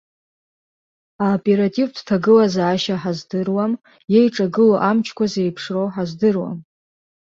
Аоперативтә ҭагылазаашьа ҳаздыруам, еиҿагылоу амчқәа зеиԥшроу ҳаздыруам.